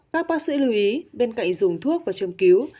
các bác sĩ lưu ý bên cạnh dùng thuốc và châm cứu